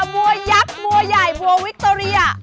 บัวยักษ์บัวใหญ่บัววิคโตเรีย